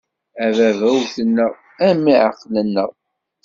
A baba! Wwten-aɣ, a mmi! Ɛeqlen-aɣ.